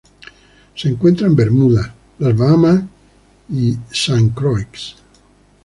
Se encuentra en Bermuda, las Bahamas y St.. Croix.